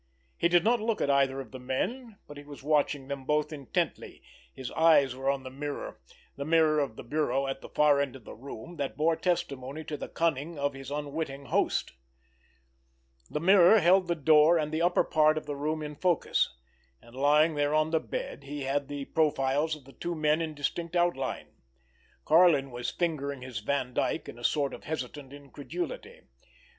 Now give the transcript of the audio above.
He did not look at either of the men, but he was watching them both intently—his eyes were on the mirror, the mirror of the bureau at the far end of the room, that bore testimony to the cunning of his unwitting host. The mirror held the door and the upper part of the room in focus; and, lying there on the bed, he had the profiles of the two men in distinct outline. Karlin was fingering his Vandyke in a sort of hesitant incredulity.